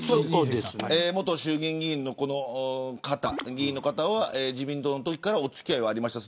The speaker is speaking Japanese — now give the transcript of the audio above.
元衆議院議員のこの方は自民党のときからお付き合いがあった